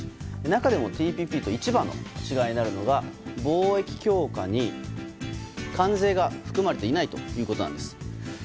中でもＴＰＰと一番の違いになるのが貿易強化に関税が含まれていないということなんです。